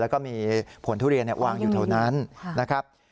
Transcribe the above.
แล้วก็มีผลทุเรียนวางอยู่แถวนั้นนะครับ